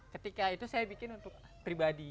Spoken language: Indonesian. ketika itu saya bikin untuk pribadi